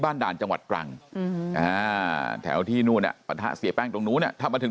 ด่านจังหวัดตรังแถวที่นู่นปะทะเสียแป้งตรงนู้นถ้ามาถึง